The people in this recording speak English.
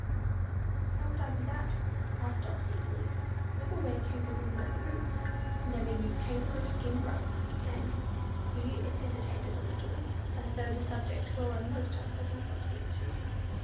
"How could I be that?" asked Dot, eagerly. "Never wear kangaroo leather boots—never use kangaroo skin rugs, and"—here it hesitated a little, as though the subject were a most unpleasant one to mention.